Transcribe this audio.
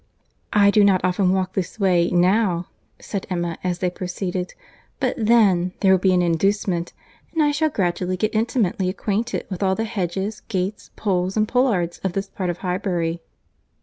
"I do not often walk this way now," said Emma, as they proceeded, "but then there will be an inducement, and I shall gradually get intimately acquainted with all the hedges, gates, pools and pollards of this part of Highbury."